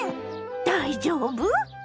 大丈夫？